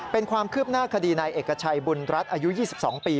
เป็นความคืบหน้าคดีนายเอกชัยบุญรัฐอายุ๒๒ปี